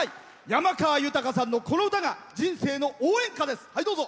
山川豊さんの、この歌が人生の応援歌です。